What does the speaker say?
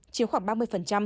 chiếu khoảng ba mươi